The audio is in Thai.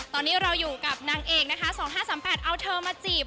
ตอนนี้เราอยู่กับนางเอกนะคะ๒๕๓๘เอาเธอมาจีบ